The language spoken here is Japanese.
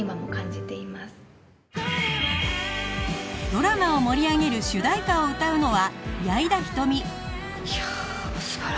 ドラマを盛り上げる主題歌を歌うのは矢井田瞳